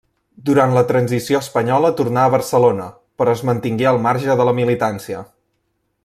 Durant la transició espanyola tornà a Barcelona, però es mantingué al marge de la militància.